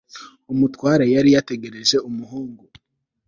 umutware yari yategereje umuhungu